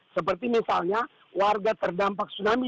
seperti misalnya warga terdampak tsunami